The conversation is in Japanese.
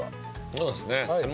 そうですね。